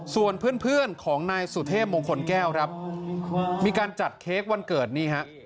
ส่วนเพื่อนของนายสุเทพมงคลแก้วครับมีการจัดเค้กวันเกิดนี่ฮะ